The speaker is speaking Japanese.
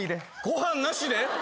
ご飯なしで？